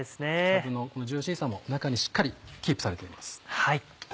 かぶのこのジューシーさも中にしっかりキープされています。